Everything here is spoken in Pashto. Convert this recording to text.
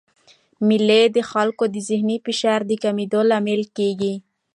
مېلې د خلکو د ذهني فشار د کمېدو لامل کېږي.